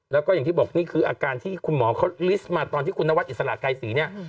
แล้วก็อย่างที่บอกนี่คืออาการที่คุณหมอเขาลิสต์มาตอนที่คุณนวัดอิสระไกรศรีเนี่ย